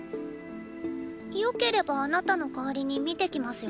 よければあなたの代わりに見てきますよ。